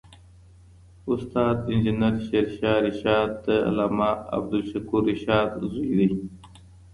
استاد انجینر شېرشاه رشاد د علامه عبدالشکور رشاد زوی دی